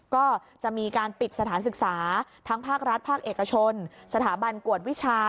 ก็จะมีการปิดสถานศึกษาทั้งภาครัฐภาคเอกชนสถาบันกวดวิชา